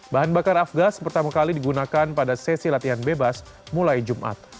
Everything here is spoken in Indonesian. bahan bakar afgas pertama kali digunakan pada sesi latihan bebas mulai jumat